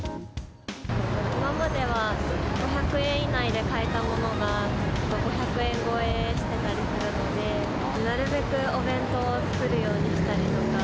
今までは５００円以内で買えたものが、５００円超えしてたりするので、なるべくお弁当を作るようにしたりとか。